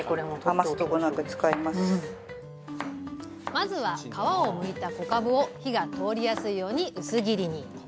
まずは皮をむいた小かぶを火が通りやすいように薄切りに！